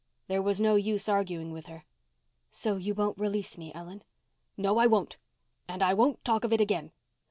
There was no use arguing with her. "So you won't release me, Ellen?" "No, I won't. And I won't talk of it again.